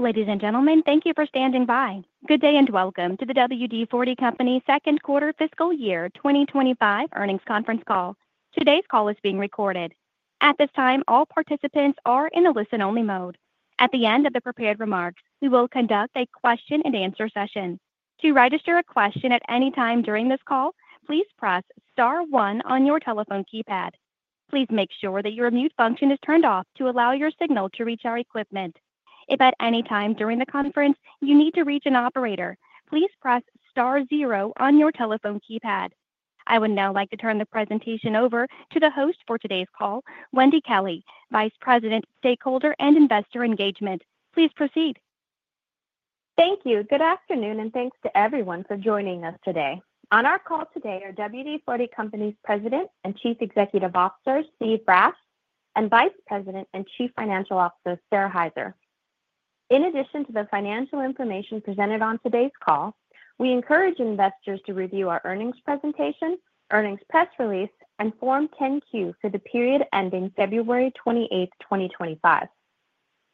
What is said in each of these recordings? Ladies and gentlemen, thank you for standing by. Good day and welcome to the WD-40 Company second quarter fiscal year 2025 earnings conference call. Today's call is being recorded. At this time, all participants are in a listen-only mode. At the end of the prepared remarks, we will conduct a question-and-answer session. To register a question at any time during this call, please press star one on your telephone keypad. Please make sure that your mute function is turned off to allow your signal to reach our equipment. If at any time during the conference you need to reach an operator, please press star zero on your telephone keypad. I would now like to turn the presentation over to the host for today's call, Wendy Kelley, Vice President, Stakeholder and Investor Engagement. Please proceed. Thank you. Good afternoon, and thanks to everyone for joining us today. On our call today are WD-40 Company's President and Chief Executive Officer, Steve Brass, and Vice President and Chief Financial Officer, Sara Hyzer. In addition to the financial information presented on today's call, we encourage investors to review our earnings presentation, earnings press release, and Form 10-Q for the period ending February 28, 2025.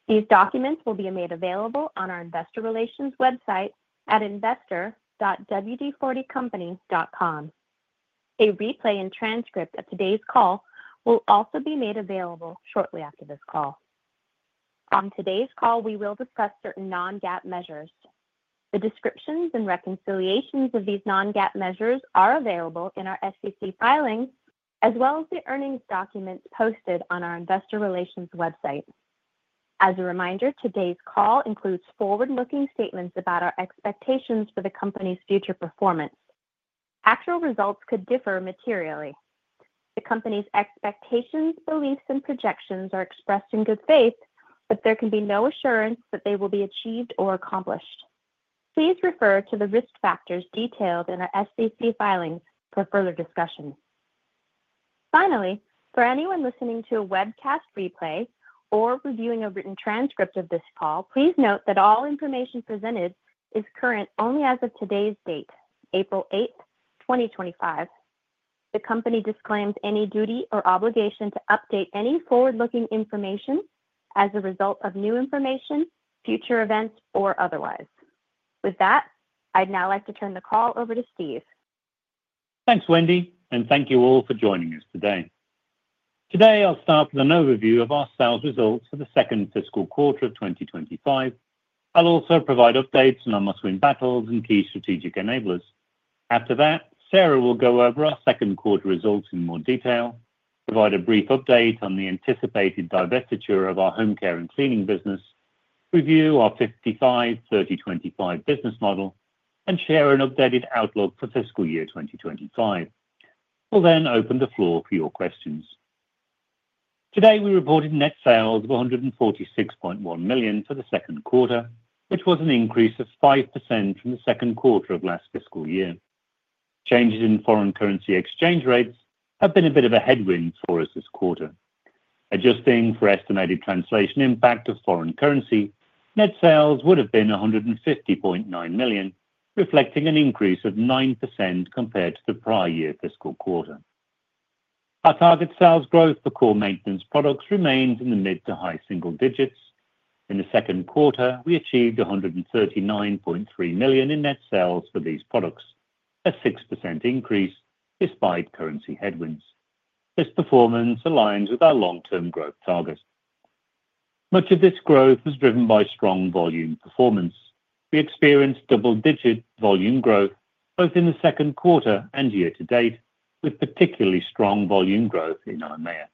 These documents will be made available on our investor relations website at investor.wd40company.com. A replay and transcript of today's call will also be made available shortly after this call. On today's call, we will discuss certain non-GAAP measures. The descriptions and reconciliations of these non-GAAP measures are available in our SEC filings, as well as the earnings documents posted on our investor relations website. As a reminder, today's call includes forward-looking statements about our expectations for the company's future performance. Actual results could differ materially. The company's expectations, beliefs, and projections are expressed in good faith, but there can be no assurance that they will be achieved or accomplished. Please refer to the risk factors detailed in our SEC filings for further discussion. Finally, for anyone listening to a webcast replay or reviewing a written transcript of this call, please note that all information presented is current only as of today's date, April 8th, 2025. The company disclaims any duty or obligation to update any forward-looking information as a result of new information, future events, or otherwise. With that, I'd now like to turn the call over to Steve. Thanks, Wendy, and thank you all for joining us today. Today, I'll start with an overview of our sales results for the second fiscal quarter of 2025. I'll also provide updates on our Must-Win Battles and key Strategic Enablers. After that, Sara will go over our second quarter results in more detail, provide a brief update on the anticipated divestiture of our home care and cleaning business, review our 55-30-25 business model, and share an updated outlook for fiscal year 2025. We'll then open the floor for your questions. Today, we reported net sales of $146.1 million for the second quarter, which was an increase of 5% from the second quarter of last fiscal year. Changes in foreign currency exchange rates have been a bit of a headwind for us this quarter. Adjusting for estimated translation impact of foreign currency, net sales would have been $150.9 million, reflecting an increase of 9% compared to the prior year fiscal quarter. Our target sales growth for core maintenance products remains in the mid to high single digits. In the second quarter, we achieved $139.3 million in net sales for these products, a 6% increase despite currency headwinds. This performance aligns with our long-term growth target. Much of this growth was driven by strong volume performance. We experienced double-digit volume growth both in the second quarter and year to date, with particularly strong volume growth in our EIMEA.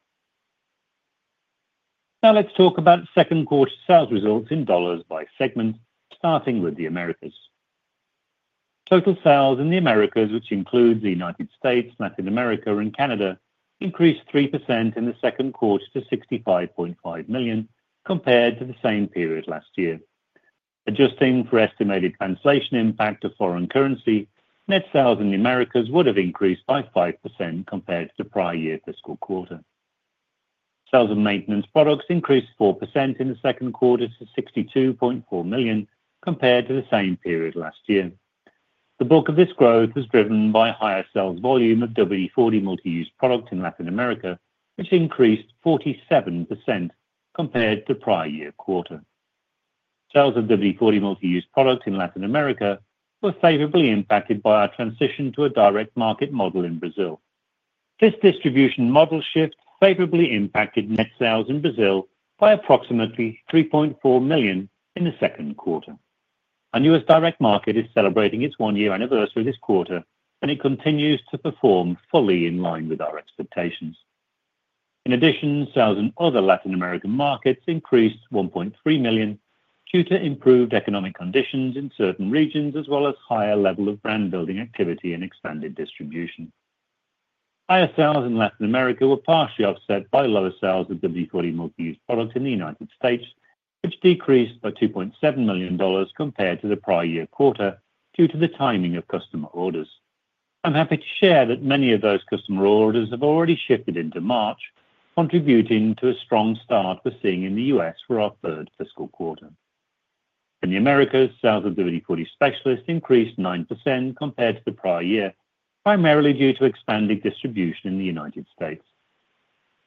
Now, let's talk about second quarter sales results in dollars by segment, starting with the Americas. Total sales in the Americas, which includes the United States, Latin America, and Canada, increased 3% in the second quarter to $65.5 million compared to the same period last year. Adjusting for estimated translation impact of foreign currency, net sales in the Americas would have increased by 5% compared to the prior year fiscal quarter. Sales of maintenance products increased 4% in the second quarter to $62.4 million compared to the same period last year. The bulk of this growth was driven by a higher sales volume of WD-40 Multi-Use Product in Latin America, which increased 47% compared to the prior year quarter. Sales of WD-40 Multi-Use Product in Latin America were favorably impacted by our transition to a direct market model in Brazil. This distribution model shift favorably impacted net sales in Brazil by approximately $3.4 million in the second quarter. Our U.S. direct market is celebrating its one-year anniversary this quarter, and it continues to perform fully in line with our expectations. In addition, sales in other Latin American markets increased $1.3 million due to improved economic conditions in certain regions, as well as a higher level of brand-building activity and expanded distribution. Higher sales in Latin America were partially offset by lower sales of WD-40 Multi-Use Product in the United States, which decreased by $2.7 million compared to the prior year quarter due to the timing of customer orders. I'm happy to share that many of those customer orders have already shifted into March, contributing to a strong start we're seeing in the U.S. for our third fiscal quarter. In the Americas, sales of WD-40 Specialist increased 9% compared to the prior year, primarily due to expanded distribution in the United States.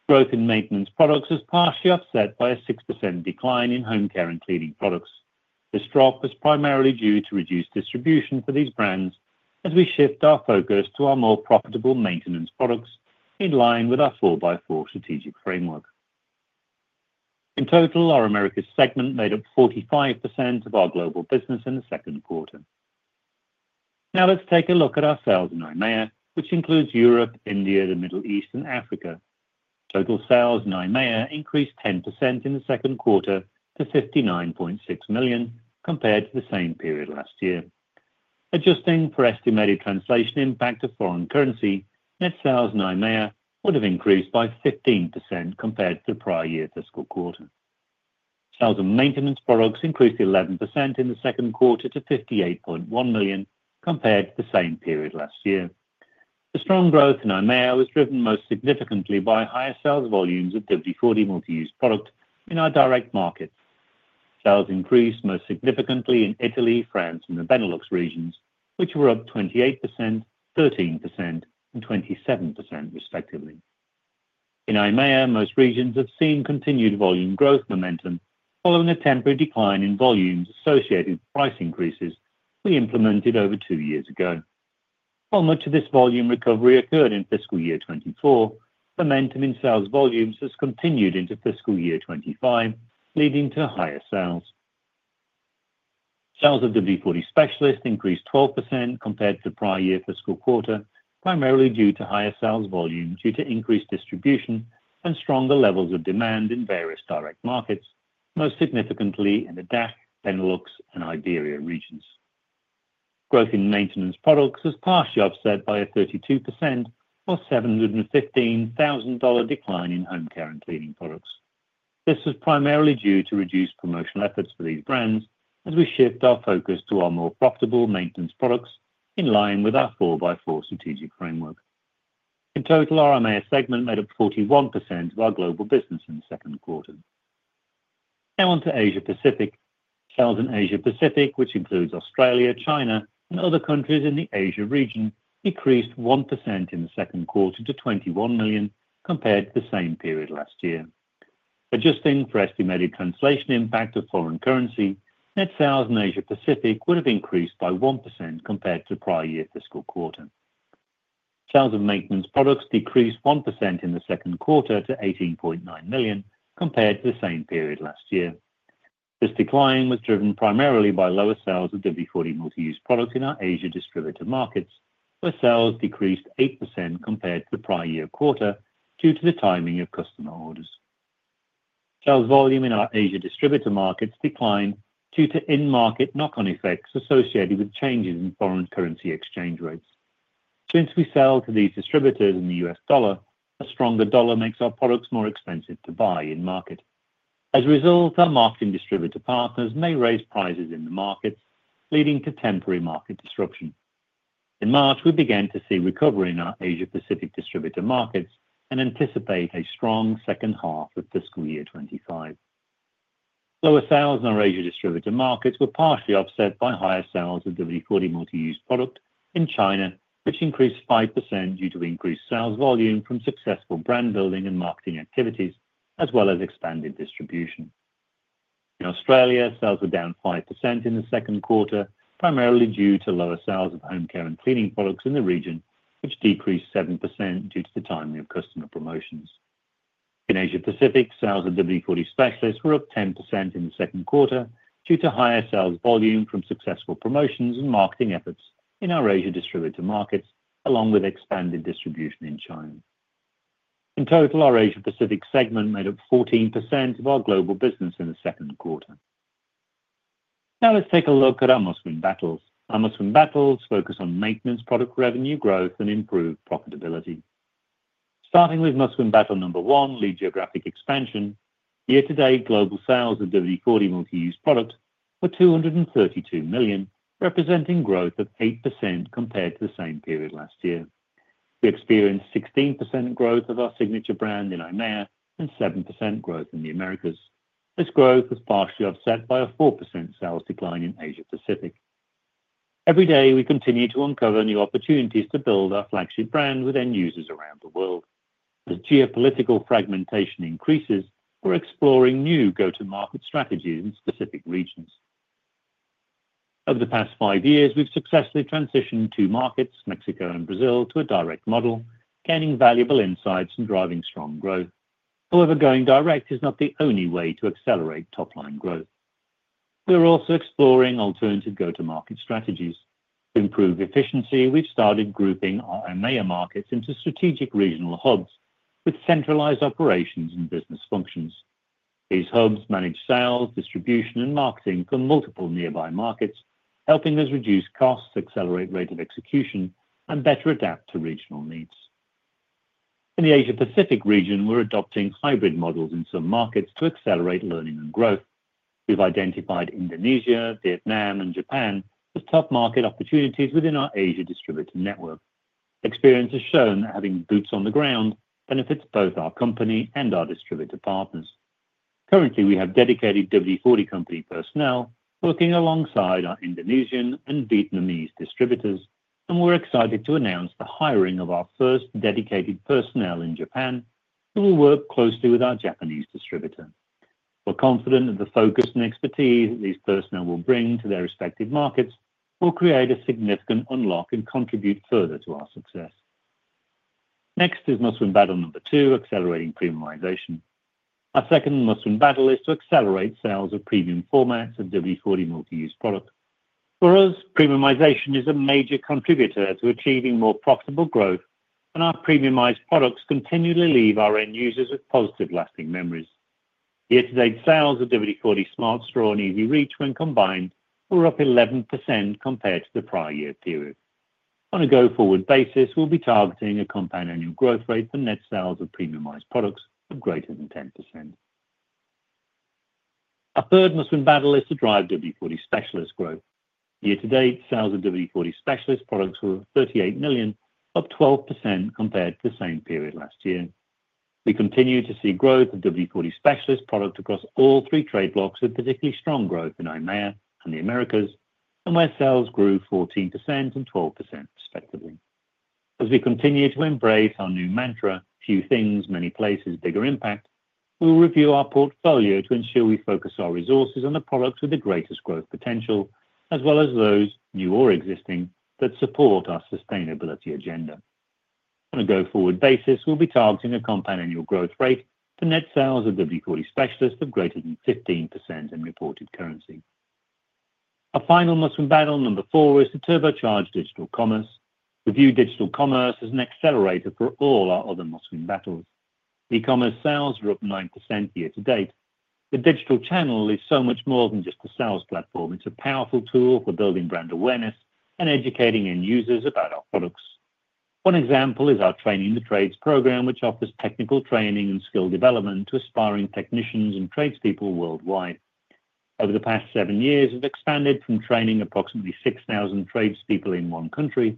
Growth in maintenance products was partially offset by a 6% decline in home care and cleaning products. This drop was primarily due to reduced distribution for these brands, as we shift our focus to our more profitable maintenance products in line with our 4x4 Strategic Framework. In total, our Americas segment made up 45% of our global business in the second quarter. Now, let's take a look at our sales in our EIMEA, which includes Europe, India, the Middle East, and Africa. Total sales in our EIMEA increased 10% in the second quarter to $59.6 million compared to the same period last year. Adjusting for estimated translation impact of foreign currency, net sales in our EIMEA would have increased by 15% compared to the prior year fiscal quarter. Sales of maintenance products increased 11% in the second quarter to $58.1 million compared to the same period last year. The strong growth in our EIMEA was driven most significantly by higher sales volumes of WD-40 Multi-Use Product in our direct markets. Sales increased most significantly in Italy, France, and the Benelux regions, which were up 28%, 13%, and 27%, respectively. In our EIMEA, most regions have seen continued volume growth momentum following a temporary decline in volumes associated with price increases we implemented over two years ago. While much of this volume recovery occurred in fiscal year 2024, momentum in sales volumes has continued into fiscal year 2025, leading to higher sales. Sales of WD-40 Specialist increased 12% compared to the prior year fiscal quarter, primarily due to higher sales volumes due to increased distribution and stronger levels of demand in various direct markets, most significantly in the DACH, Benelux, and Iberia regions. Growth in maintenance products was partially offset by a 32% or $715,000 decline in home care and cleaning products. This was primarily due to reduced promotional efforts for these brands, as we shift our focus to our more profitable maintenance products in line with our 4x4 Strategic Framework. In total, our EIMEA segment made up 41% of our global business in the second quarter. Now, on to Asia-Pacific. Sales in Asia-Pacific, which includes Australia, China, and other countries in the Asia region, decreased 1% in the second quarter to $21 million compared to the same period last year. Adjusting for estimated translation impact of foreign currency, net sales in Asia-Pacific would have increased by 1% compared to the prior year fiscal quarter. Sales of maintenance products decreased 1% in the second quarter to $18.9 million compared to the same period last year. This decline was driven primarily by lower sales of WD-40 Multi-Use Product in our Asia distributor markets, where sales decreased 8% compared to the prior year quarter due to the timing of customer orders. Sales volume in our Asia distributor markets declined due to in-market knock-on effects associated with changes in foreign currency exchange rates. Since we sell to these distributors in the US dollar, a stronger dollar makes our products more expensive to buy in market. As a result, our marketing distributor partners may raise prices in the markets, leading to temporary market disruption. In March, we began to see recovery in our Asia-Pacific distributor markets and anticipate a strong second half of fiscal year 2025. Lower sales in our Asia distributor markets were partially offset by higher sales of WD-40 Multi-Use Product in China, which increased 5% due to increased sales volume from successful brand-building and marketing activities, as well as expanded distribution. In Australia, sales were down 5% in the second quarter, primarily due to lower sales of home care and cleaning products in the region, which decreased 7% due to the timing of customer promotions. In Asia-Pacific, sales of WD-40 Specialist were up 10% in the second quarter due to higher sales volume from successful promotions and marketing efforts in our Asia distributor markets, along with expanded distributionBattles focus on maintenance product revenue growth and improved profitability. Starting with Must-Win Battle number one, Lead Geographic Expansion. Year-to-date global sales of WD-40 Multi-Use Product were $232 million, representing growth of 8% compared to the same period last year. We experienced 16% growth of our signature brand in EIMEA and 7% growth in the Americas. This growth was partially offset by a 4% sales decline in Asia-Pacific. Every day, we continue to uncover new opportunities to build our flagship brand with end users around the world. As geopolitical fragmentation increases, we're exploring new go-to-market strategies in specific regions. Over the past five years, we've successfully transitioned two markets, Mexico and Brazil, to a direct model, gaining valuable insights and driving strong growth. However, going direct is not the only way to accelerate top-line growth. We're also exploring alternative go-to-market strategies. To improve efficiency, we've started grouping our major markets into strategic regional hubs with centralized operations and business functions. These hubs manage sales, distribution, and marketing for multiple nearby markets, helping us reduce costs, accelerate rate of execution, and better adapt to regional needs. In the Asia-Pacific region, we're adopting hybrid models in some markets to accelerate learning and growth. We've identified Indonesia, Vietnam, and Japan as top market opportunities within our Asia distributor network. Experience has shown that having boots on the ground benefits both our company and our distributor partners. Currently, we have dedicated WD-40 Company personnel working alongside our Indonesian and Vietnamese distributors, and we're excited to announce the hiring of our first dedicated personnel in Japan, who will work closely with our Japanese distributor. We're confident that the focus and expertise that these personnel will bring to their respective markets will create a significant unlock and contribute further to our success. Next is Must-Win Battle #2, Accelerating Product. For us, premiumization is a major contributor to achieving more profitable growth, and our premiumized products continually leave our end users with positive lasting memories. Year-to-date sales of WD-40 Smart Straw and EZ-Reach, when combined, were up 11% compared to the prior year period. On a go-forward basis, we'll be targeting a compound annual growth rate for net sales of premiumized products of greater than 10%. Our third Must-Win Battle is to drive WD-40 Specialist growth. Year-to-date sales of WD-40 Specialist products were $38 million, up 12% compared to the same period last year. We continue to see growth of WD-40 Specialist product across all three trade blocks with particularly strong growth in EIMEA and the Americas, where sales grew 14% and 12%, respectively. As we continue to embrace our new mantra, few things, many places, bigger impact, we will review our portfolio to ensure we focus our resources on the products with the greatest growth potential, as well as those, new or existing, that support our sustainability agenda. On a go-forward basis, we will be targeting a compound annual growth rate for net sales of WD-40 Specialist of greater than 15% in reported currency. Our final Must-Win Battle number four is to turbocharge digital commerce. We view digital commerce as an accelerator for all our other Must-Win Battles. E-commerce sales are up 9% year-to-date. The digital channel is so much more than just a sales platform. It's a powerful tool for building brand awareness and educating end users about our products. One example is our Training the Trades program, which offers technical training and skill development to aspiring technicians and tradespeople worldwide. Over the past seven years, we've expanded from training approximately 6,000 tradespeople in one country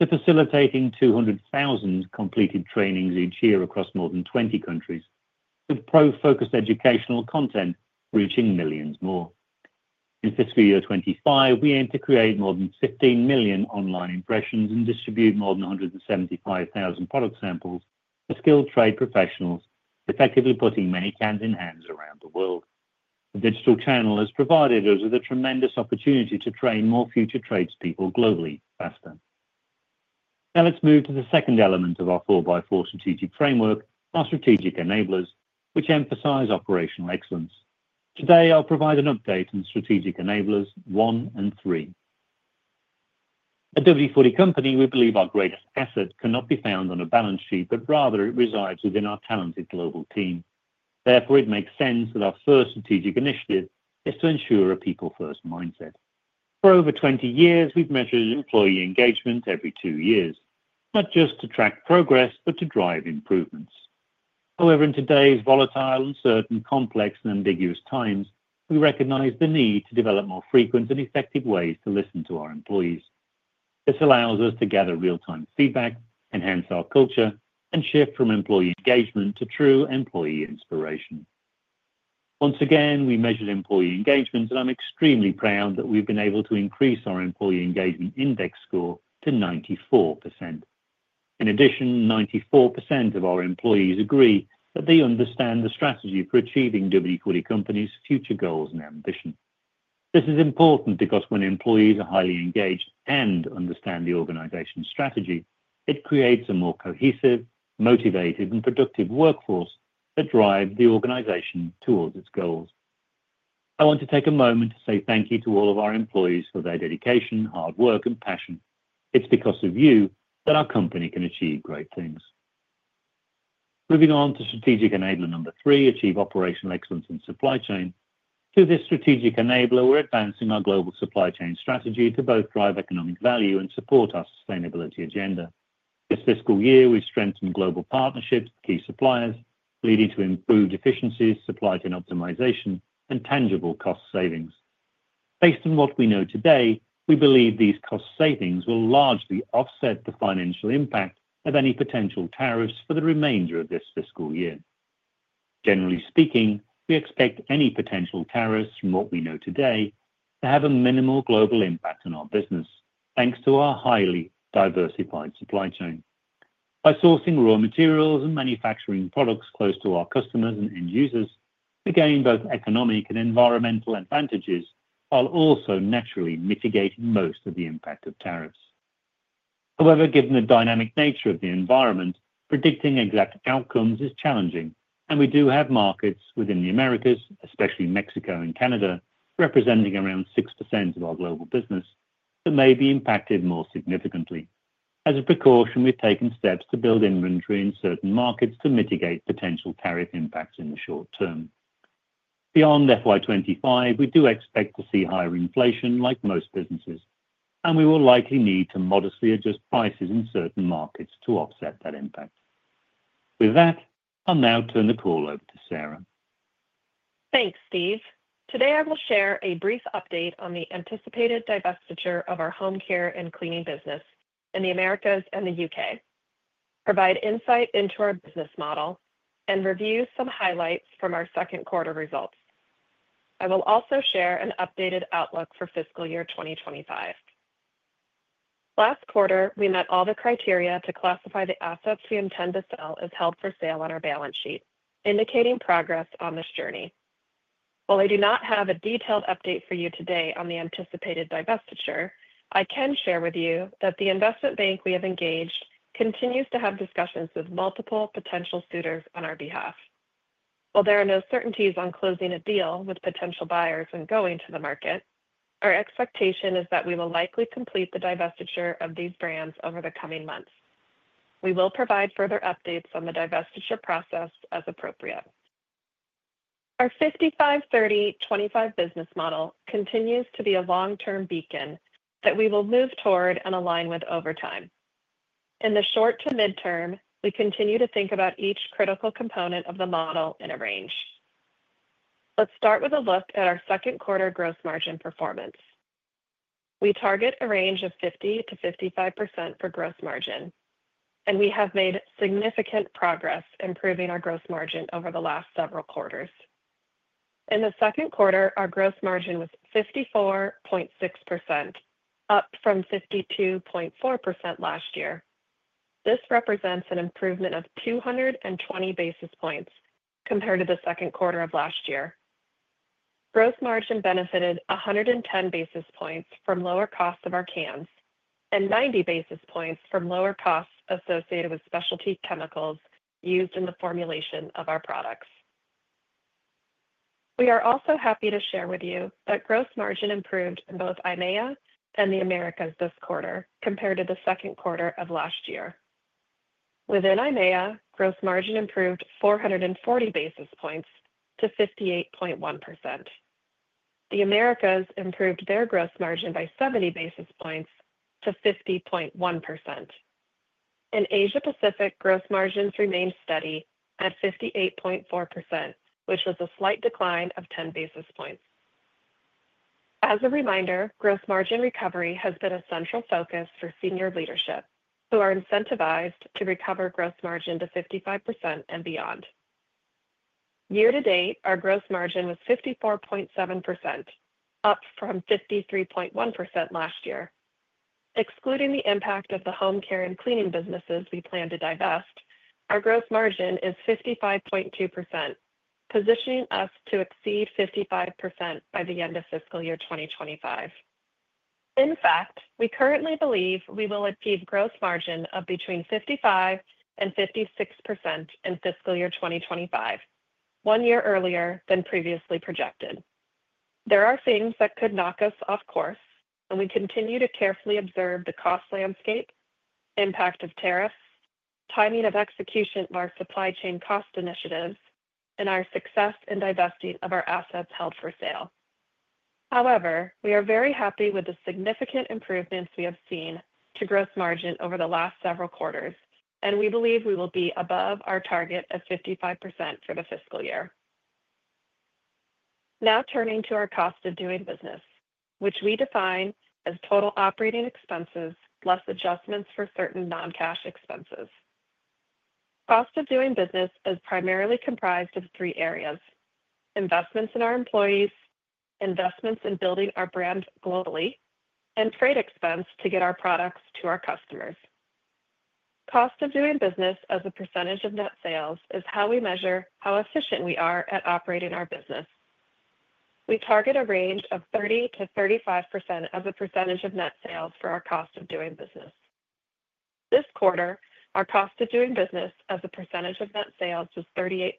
to facilitating 200,000 completed trainings each year across more than 20 countries, with pro-focused educational content reaching millions more. In fiscal year 2025, we aim to create more than 15 million online impressions and distribute more than 175,000 product samples to skilled trade professionals, effectively putting many cans in hands around the world. The digital channel has provided us with a tremendous opportunity to train more future tradespeople globally faster. Now, let's move to the second element of our 4x4 Strategic Framework, our Strategic Enablers, which emphasize operational excellence. Today, I'll provide an update on Strategic Enablers one and three. At WD-40 Company, we believe our greatest asset cannot be found on a balance sheet, but rather it resides within our talented global team. Therefore, it makes sense that our first strategic initiative is to ensure a people-first mindset. For over 20 years, we've measured employee engagement every two years, not just to track progress, but to drive improvements. However, in today's volatile, uncertain, complex, and ambiguous times, we recognize the need to develop more frequent and effective ways to listen to our employees. This allows us to gather real-time feedback, enhance our culture, and shift from employee engagement to true employee inspiration. Once again, we measured employee engagement, and I'm extremely proud that we've been able to increase our employee engagement index score to 94%. In addition, 94% of our employees agree that they understand the strategy for achieving WD-40 Company's future goals and ambition. This is important because when employees are highly engaged and understand the organization's strategy, it creates a more cohesive, motivated, and productive workforce that drives the organization towards its goals. I want to take a moment to say thank you to all of our employees for their dedication, hard work, and passion. It's because of you that our company can achieve great things. Moving on to Strategic Enablers number three, achieve operational excellence in supply chain. Through this Strategic Enablers, we're advancing our global supply chain strategy to both drive economic value and support our sustainability agenda. This fiscal year, we've strengthened global partnerships with key suppliers, leading to improved efficiencies, supply chain optimization, and tangible cost savings. Based on what we know today, we believe these cost savings will largely offset the financial impact of any potential tariffs for the remainder of this fiscal year. Generally speaking, we expect any potential tariffs from what we know today to have a minimal global impact on our business, thanks to our highly diversified supply chain. By sourcing raw materials and manufacturing products close to our customers and end users, we gain both economic and environmental advantages while also naturally mitigating most of the impact of tariffs. However, given the dynamic nature of the environment, predicting exact outcomes is challenging, and we do have markets within the Americas, especially Mexico and Canada, representing around 6% of our global business that may be impacted more significantly. As a precaution, we've taken steps to build inventory in certain markets to mitigate potential tariff impacts in the short term. Beyond FY2025, we do expect to see higher inflation like most businesses, and we will likely need to modestly adjust prices in certain markets to offset that impact. With that, I'll now turn the call over to Sara. Thanks, Steve. Today, I will share a brief update on the anticipated divestiture of our home care and cleaning business in the Americas and the U.K., provide insight into our business model, and review some highlights from our second quarter results. I will also share an updated outlook for fiscal year 2025. Last quarter, we met all the criteria to classify the assets we intend to sell as held for sale on our balance sheet, indicating progress on this journey. While I do not have a detailed update for you today on the anticipated divestiture, I can share with you that the investment bank we have engaged continues to have discussions with multiple potential suitors on our behalf. While there are no certainties on closing a deal with potential buyers and going to the market, our expectation is that we will likely complete the divestiture of these brands over the coming months. We will provide further updates on the divestiture process as appropriate. Our 55-30-25 business model continues to be a long-term beacon that we will move toward and align with over time. In the short to midterm, we continue to think about each critical component of the model in a range. Let's start with a look at our second quarter gross margin performance. We target a range of 50%-55% for gross margin, and we have made significant progress improving our gross margin over the last several quarters. In the second quarter, our gross margin was 54.6%, up from 52.4% last year. This represents an improvement of 220 basis points compared to the second quarter of last year. Gross margin benefited 110 basis points from lower costs of our cans and 90 basis points from lower costs associated with specialty chemicals used in the formulation of our products. We are also happy to share with you that gross margin improved in both EIMEA and the Americas this quarter compared to the second quarter of last year. Within EIMEA, gross margin improved 440 basis points to 58.1%. The Americas improved their gross margin by 70 basis points to 50.1%. In Asia-Pacific, gross margins remained steady at 58.4%, which was a slight decline of 10 basis points. As a reminder, gross margin recovery has been a central focus for senior leadership, who are incentivized to recover gross margin to 55% and beyond. Year-to-date, our gross margin was 54.7%, up from 53.1% last year. Excluding the impact of the home care and cleaning businesses we plan to divest, our gross margin is 55.2%, positioning us to exceed 55% by the end of fiscal year 2025. In fact, we currently believe we will achieve gross margin of between 55% and 56% in fiscal year 2025, one year earlier than previously projected. There are things that could knock us off course, and we continue to carefully observe the cost landscape, impact of tariffs, timing of execution of our supply chain cost initiatives, and our success in divesting of our assets held for sale. However, we are very happy with the significant improvements we have seen to gross margin over the last several quarters, and we believe we will be above our target of 55% for the fiscal year. Now turning to our cost of doing business, which we define as total operating expenses less adjustments for certain non-cash expenses. Cost of doing business is primarily comprised of three areas: investments in our employees, investments in building our brand globally, and trade expense to get our products to our customers. Cost of doing business as a percentage of net sales is how we measure how efficient we are at operating our business. We target a range of 30%-35% as a percentage of net sales for our cost of doing business. This quarter, our cost of doing business as a percentage of net sales was 38%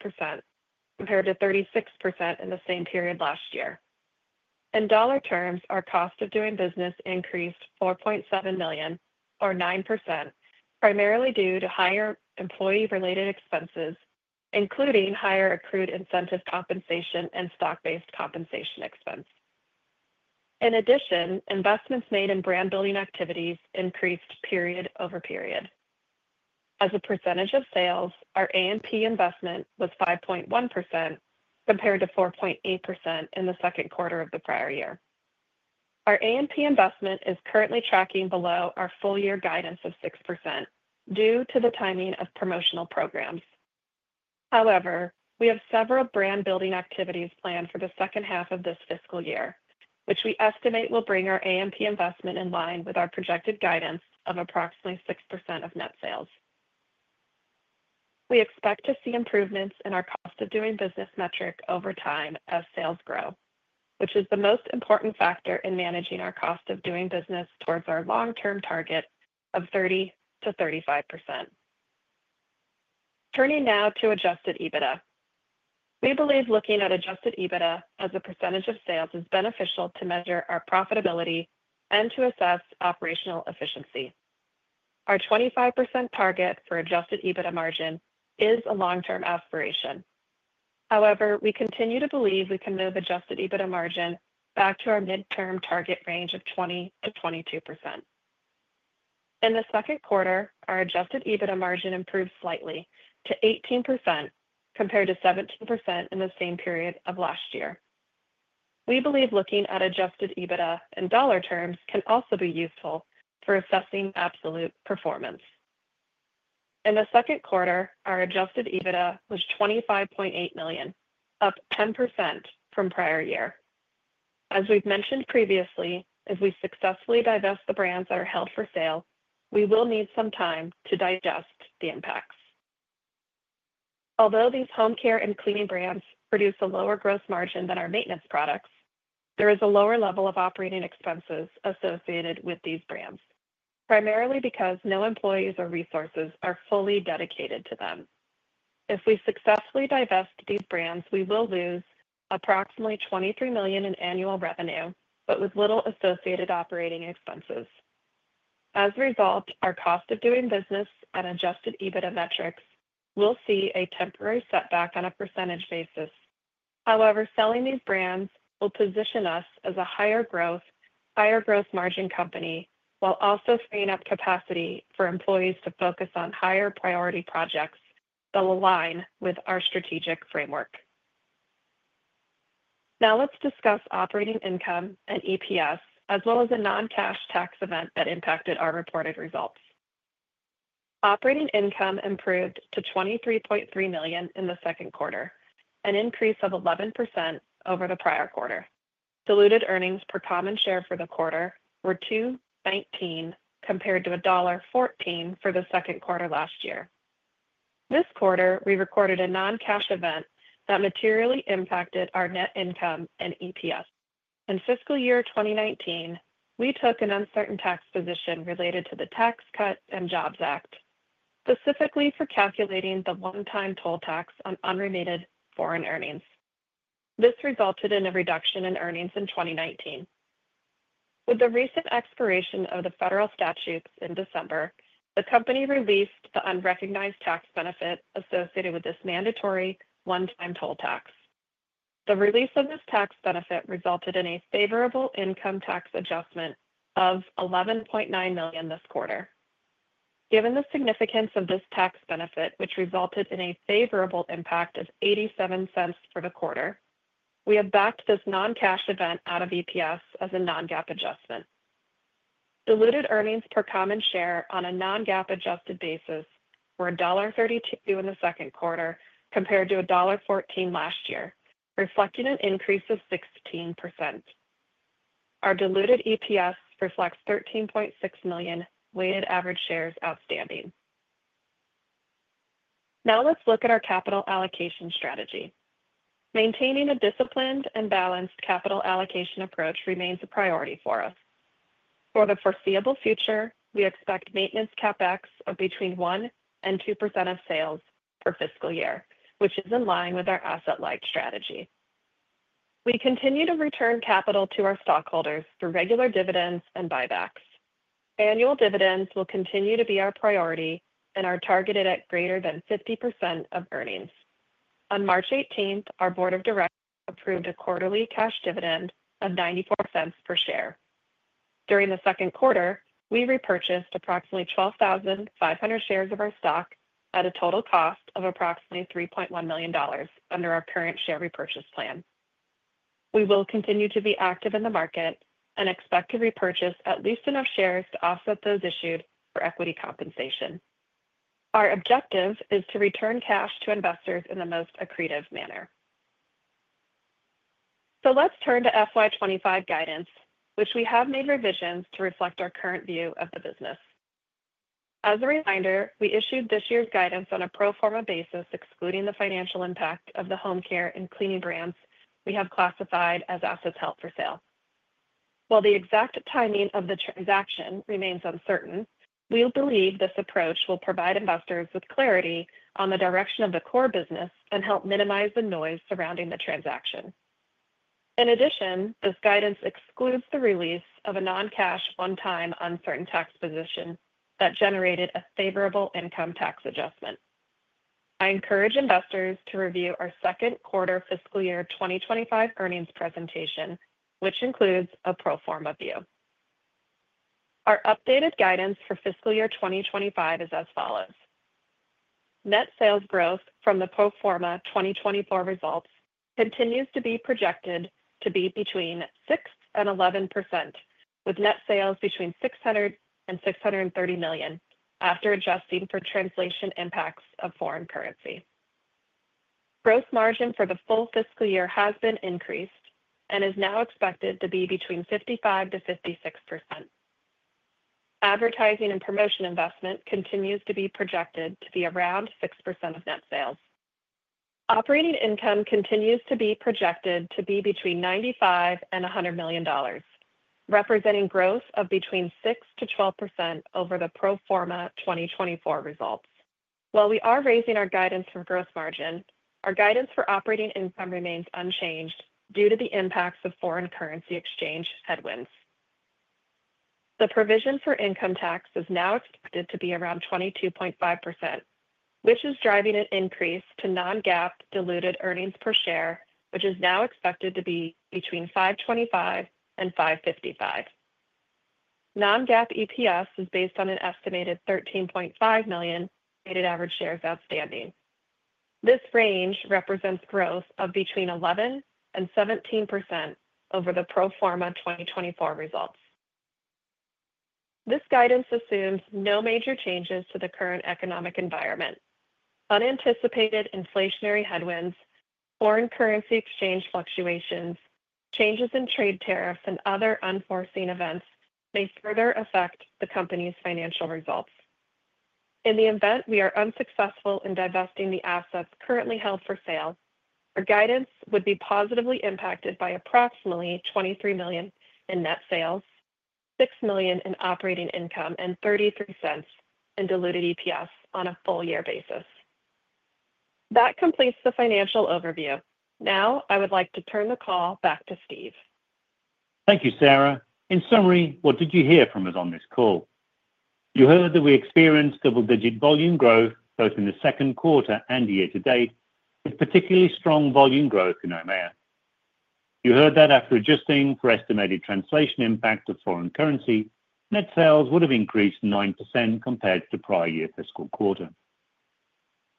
compared to 36% in the same period last year. In dollar terms, our cost of doing business increased $4.7 million, or 9%, primarily due to higher employee-related expenses, including higher accrued incentive compensation and stock-based compensation expense. In addition, investments made in brand-building activities increased period over period. As a percentage of sales, our A&P investment was 5.1% compared to 4.8% in the second quarter of the prior year. Our A&P investment is currently tracking below our full-year guidance of 6% due to the timing of promotional programs. However, we have several brand-building activities planned for the second half of this fiscal year, which we estimate will bring our A&P investment in line with our projected guidance of approximately 6% of net sales. We expect to see improvements in our cost of doing business metric over time as sales grow, which is the most important factor in managing our cost of doing business towards our long-term target of 30%-35%. Turning now to Adjusted EBITDA. We believe looking at Adjusted EBITDA as a percentage of sales is beneficial to measure our profitability and to assess operational efficiency. Our 25% target for Adjusted EBITDA margin is a long-term aspiration. However, we continue to believe we can move Adjusted EBITDA margin back to our midterm target range of 20%-22%. In the second quarter, our Adjusted EBITDA margin improved slightly to 18% compared to 17% in the same period of last year. We believe looking at Adjusted EBITDA in dollar terms can also be useful for assessing absolute performance. In the second quarter, our Adjusted EBITDA was $25.8 million, up 10% from prior year. As we've mentioned previously, as we successfully divest the brands that are held for sale, we will need some time to digest the impacts. Although these home care and cleaning brands produce a lower gross margin than our maintenance products, there is a lower level of operating expenses associated with these brands, primarily because no employees or resources are fully dedicated to them. If we successfully divest these brands, we will lose approximately $23 million in annual revenue, but with little associated operating expenses. As a result, our cost of doing business and Adjusted EBITDA metrics will see a temporary setback on a percentage basis. However, selling these brands will position us as a higher growth, higher gross margin company while also freeing up capacity for employees to focus on higher priority projects that will align with our Strategic Framework. Now let's discuss operating income and EPS, as well as a non-cash tax event that impacted our reported results. Operating income improved to $23.3 million in the second quarter, an increase of 11% over the prior quarter. Diluted earnings per common share for the quarter were $2.19 compared to $1.14 for the second quarter last year. This quarter, we recorded a non-cash event that materially impacted our net income and EPS. In fiscal year 2019, we took an uncertain tax position related to the Tax Cuts and Jobs Act, specifically for calculating the one-time toll tax on unremitted foreign earnings. This resulted in a reduction in earnings in 2019. With the recent expiration of the federal statutes in December, the company released the unrecognized tax benefit associated with this mandatory one-time toll tax. The release of this tax benefit resulted in a favorable income tax adjustment of $11.9 million this quarter. Given the significance of this tax benefit, which resulted in a favorable impact of $0.87 for the quarter, we have backed this non-cash event out of EPS as a non-GAAP adjustment. Diluted earnings per common share on a non-GAAP adjusted basis were $1.32 in the second quarter compared to $1.14 last year, reflecting an increase of 16%. Our diluted EPS reflects 13.6 million weighted average shares outstanding. Now let's look at our capital allocation strategy. Maintaining a disciplined and balanced capital allocation approach remains a priority for us. For the foreseeable future, we expect maintenance CapEx of between 1% and 2% of sales for fiscal year, which is in line with our asset-light strategy. We continue to return capital to our stockholders through regular dividends and buybacks. Annual dividends will continue to be our priority and are targeted at greater than 50% of earnings. On March 18th, our Board of Directors approved a quarterly cash dividend of $0.94 per share. During the second quarter, we repurchased approximately 12,500 shares of our stock at a total cost of approximately $3.1 million under our current share repurchase plan. We will continue to be active in the market and expect to repurchase at least enough shares to offset those issued for equity compensation. Our objective is to return cash to investors in the most accretive manner. Let's turn to FY2025 guidance, which we have made revisions to reflect our current view of the business. As a reminder, we issued this year's guidance on a pro forma basis, excluding the financial impact of the home care and cleaning brands we have classified as assets held for sale. While the exact timing of the transaction remains uncertain, we believe this approach will provide investors with clarity on the direction of the core business and help minimize the noise surrounding the transaction. In addition, this guidance excludes the release of a non-cash one-time uncertain tax position that generated a favorable income tax adjustment. I encourage investors to review our second quarter fiscal year 2025 earnings presentation, which includes a pro forma view. Our updated guidance for fiscal year 2025 is as follows. Net sales growth from the pro forma 2024 results continues to be projected to be between 6% and 11%, with net sales between $600 million and $630 million after adjusting for translation impacts of foreign currency. Gross margin for the full fiscal year has been increased and is now expected to be between 55%-56%. Advertising and promotion investment continues to be projected to be around 6% of net sales. Operating income continues to be projected to be between $95 million and $100 million, representing growth of between 6% to 12% over the pro forma 2024 results. While we are raising our guidance for gross margin, our guidance for operating income remains unchanged due to the impacts of foreign currency exchange headwinds. The provision for income tax is now expected to be around 22.5%, which is driving an increase to non-GAAP diluted earnings per share, which is now expected to be between $5.25 and $5.55. Non-GAAP EPS is based on an estimated 13.5 million weighted average shares outstanding. This range represents growth of between 11% and 17% over the pro forma 2024 results. This guidance assumes no major changes to the current economic environment. Unanticipated inflationary headwinds, foreign currency exchange fluctuations, changes in trade tariffs, and other unforeseen events may further affect the company's financial results. In the event we are unsuccessful in divesting the assets currently held for sale, our guidance would be positively impacted by approximately $23 million in net sales, $6 million in operating income, and $0.33 in diluted EPS on a full-year basis. That completes the financial overview. Now I would like to turn the call back to Steve. Thank you, Sara. In summary, what did you hear from us on this call? You heard that we experienced double-digit volume growth both in the second quarter and year-to-date with particularly strong volume growth in EIMEA. You heard that after adjusting for estimated translation impact of foreign currency, net sales would have increased 9% compared to the prior year fiscal quarter.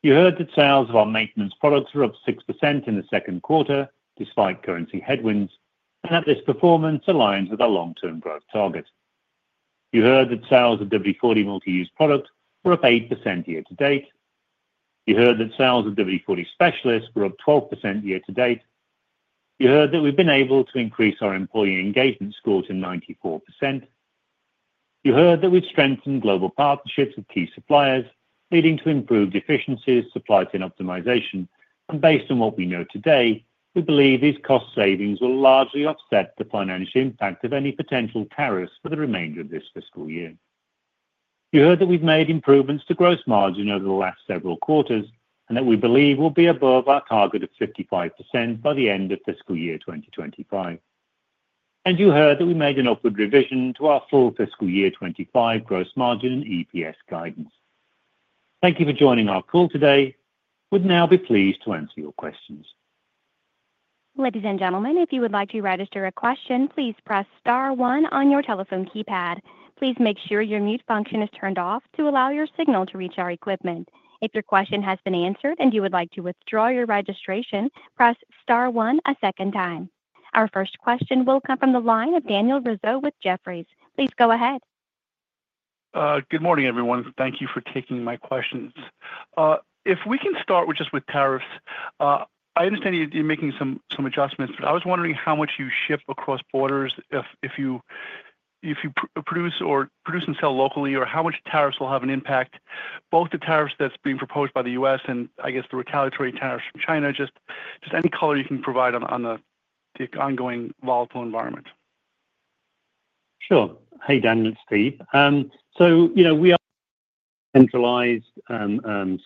You heard that sales of our maintenance products were up 6% in the second quarter despite currency headwinds, and that this performance aligns with our long-term growth target. You heard that sales of WD-40 Multi-Use Product were up 8% year-to-date. You heard that sales of WD-40 Specialist were up 12% year-to-date. You heard that we've been able to increase our employee engagement scores to 94%. You heard that we've strengthened global partnerships with key suppliers, leading to improved efficiencies, supply chain optimization, and based on what we know today, we believe these cost savings will largely offset the financial impact of any potential tariffs for the remainder of this fiscal year. You heard that we've made improvements to gross margin over the last several quarters and that we believe we'll be above our target of 55% by the end of fiscal year 2025. You heard that we made an upward revision to our full fiscal year 2025 gross margin and EPS guidance. Thank you for joining our call today. We'd now be pleased to answer your questions. Ladies and gentlemen, if you would like to register a question, please press star one on your telephone keypad. Please make sure your mute function is turned off to allow your signal to reach our equipment. If your question has been answered and you would like to withdraw your registration, press star one a second time. Our first question will come from the line of Daniel Rizzo with Jefferies. Please go ahead. Good morning, everyone. Thank you for taking my questions. If we can start just with tariffs, I understand you're making some adjustments, but I was wondering how much you ship across borders if you produce and sell locally, or how much tariffs will have an impact, both the tariffs that's being proposed by the U.S. and, I guess, the retaliatory tariffs from China. Just any color you can provide on the ongoing volatile environment. Sure. Hey, Daniel, it's Steve. We are a centralized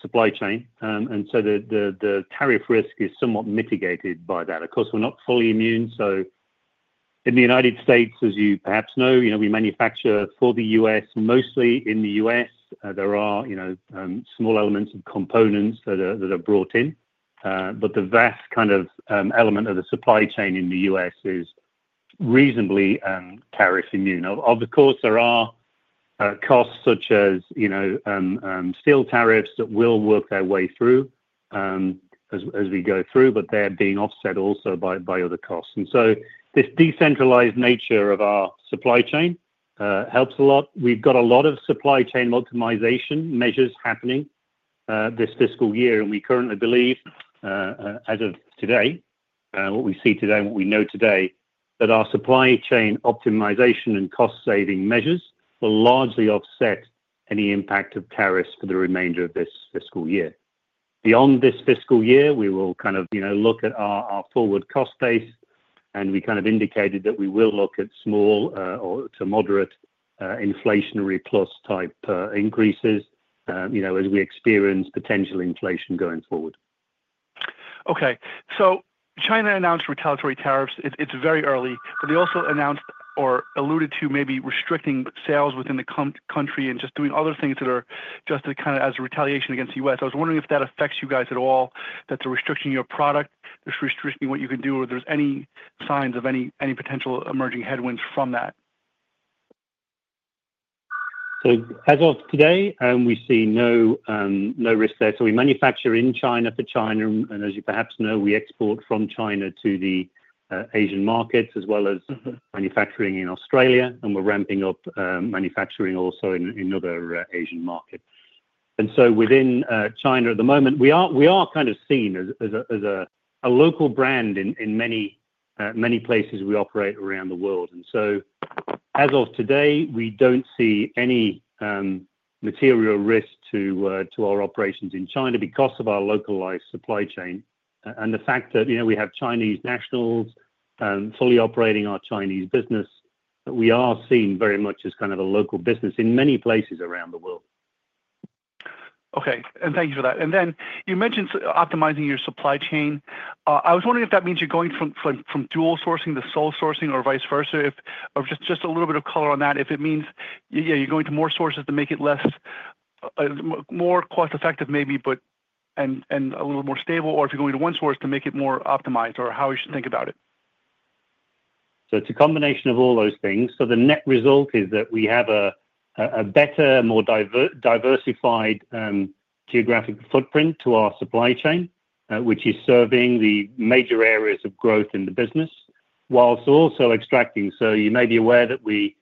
supply chain, and so the tariff risk is somewhat mitigated by that. Of course, we're not fully immune. In the United States, as you perhaps know, we manufacture for the U.S., mostly in the U.S. There are small elements of components that are brought in, but the vast kind of element of the supply chain in the U.S. is reasonably tariff immune. Of course, there are costs such as steel tariffs that will work their way through as we go through, but they're being offset also by other costs. This decentralized nature of our supply chain helps a lot. We've got a lot of supply chain optimization measures happening this fiscal year, and we currently believe, as of today, what we see today and what we know today, that our supply chain optimization and cost-saving measures will largely offset any impact of tariffs for the remainder of this fiscal year. Beyond this fiscal year, we will kind of look at our forward cost base, and we kind of indicated that we will look at small to moderate inflationary plus type increases as we experience potential inflation going forward. Okay. China announced retaliatory tariffs. It's very early, but they also announced or alluded to maybe restricting sales within the country and just doing other things that are just kind of as a retaliation against the U.S. I was wondering if that affects you guys at all, that the restriction of your product, the restriction of what you can do, or there's any signs of any potential emerging headwinds from that. As of today, we see no risk there. We manufacture in China for China, and as you perhaps know, we export from China to the Asian markets as well as manufacturing in Australia, and we're ramping up manufacturing also in other Asian markets. Within China at the moment, we are kind of seen as a local brand in many places we operate around the world. As of today, we don't see any material risk to our operations in China because of our localized supply chain and the fact that we have Chinese nationals fully operating our Chinese business, but we are seen very much as kind of a local business in many places around the world. Okay. Thank you for that. Then you mentioned optimizing your supply chain. I was wondering if that means you're going from dual sourcing to sole sourcing or vice versa. Just a little bit of color on that. If it means you're going to more sources to make it less more cost-effective maybe, but a little more stable, or if you're going to one source to make it more optimized, or how you should think about it. It is a combination of all those things. The net result is that we have a better, more diversified geographic footprint to our supply chain, which is serving the major areas of growth in the business whilst also extracting. You may be aware that we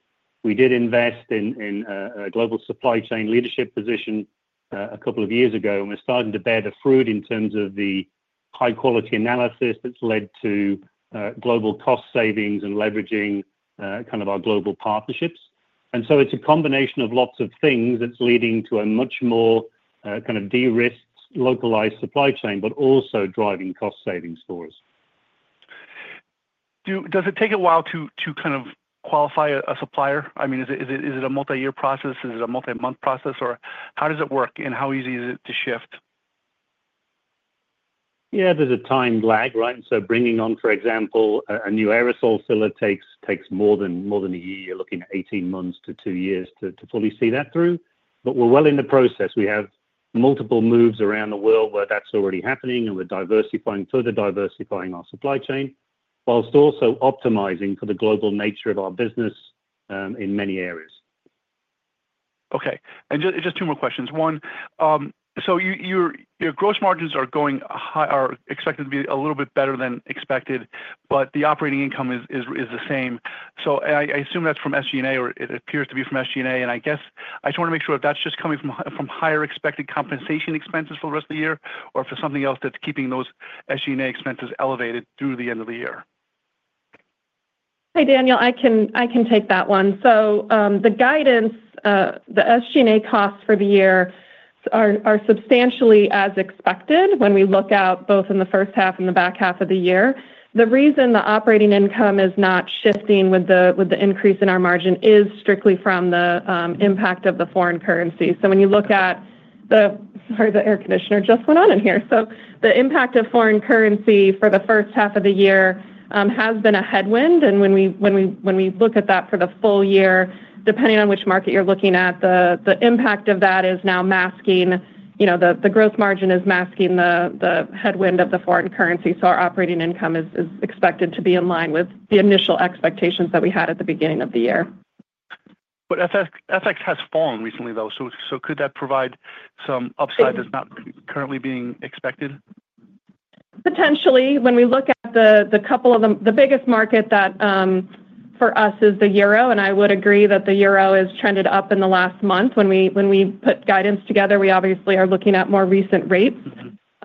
did invest in a global supply chain leadership position a couple of years ago, and we're starting to bear the fruit in terms of the high-quality analysis that's led to global cost savings and leveraging kind of our global partnerships. It is a combination of lots of things that is leading to a much more kind of de-risked localized supply chain, but also driving cost savings for us. Does it take a while to kind of qualify a supplier? I mean, is it a multi-year process? Is it a multi-month process? How does it work, and how easy is it to shift? There is a time lag, right? Bringing on, for example, a new aerosol filler takes more than a year. You are looking at 18 months to two years to fully see that through. We are well in the process. We have multiple moves around the world where that is already happening, and we are further diversifying our supply chain whilst also optimizing for the global nature of our business in many areas. Okay. Just two more questions. One, so your gross margins are expected to be a little bit better than expected, but the operating income is the same. I assume that's from SG&A, or it appears to be from SG&A. I just want to make sure if that's just coming from higher expected compensation expenses for the rest of the year, or if there's something else that's keeping those SG&A expenses elevated through the end of the year. Hey, Daniel, I can take that one. The guidance, the SG&A costs for the year are substantially as expected when we look out both in the first half and the back half of the year. The reason the operating income is not shifting with the increase in our margin is strictly from the impact of the foreign currency. When you look at the—sorry, the air conditioner just went on in here. The impact of foreign currency for the first half of the year has been a headwind. When we look at that for the full year, depending on which market you're looking at, the impact of that is now masking the gross margin, is masking the headwind of the foreign currency. Our operating income is expected to be in line with the initial expectations that we had at the beginning of the year. FX has fallen recently, though. Could that provide some upside that's not currently being expected? Potentially. When we look at a couple of the biggest markets, for us it is the euro, and I would agree that the euro has trended up in the last month. When we put guidance together, we obviously are looking at more recent rates.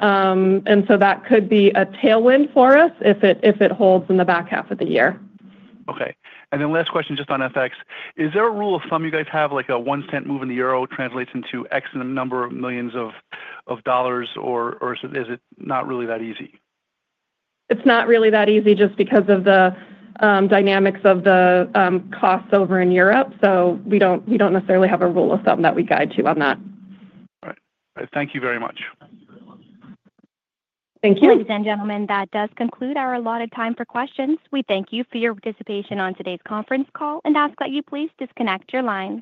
That could be a tailwind for us if it holds in the back half of the year. Okay. Last question just on FX. Is there a rule of thumb you guys have? Like a one-cent move in the euro translates into excellent number of millions of dollars, or is it not really that easy? It's not really that easy just because of the dynamics of the costs over in Europe. We do not necessarily have a rule of thumb that we guide to on that. All right. Thank you very much. Thank you. Ladies and gentlemen, that does conclude our allotted time for questions. We thank you for your participation on today's conference call and ask that you please disconnect your lines.